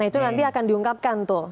nah itu nanti akan diungkapkan tuh